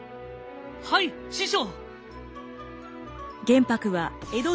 はい師匠！